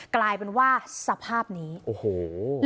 กลายเป็นว่าสภาพนี้โอ้โห